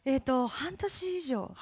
半年以上？